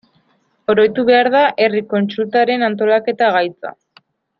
Oroitu behar da herri kontsultaren antolaketa gaitza.